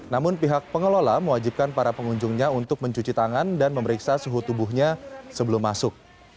namun pihak pengelola mewajibkan para pengunjungnya untuk mencuci tangan dan memeriksa suhu tubuhnya sebelum masuk